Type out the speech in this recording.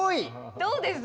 どうです？